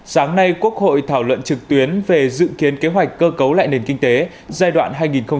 sáng nay quốc hội thảo luận trực tuyến về dự kiến kế hoạch cơ cấu lại nền kinh tế giai đoạn hai nghìn hai mươi một hai nghìn hai mươi năm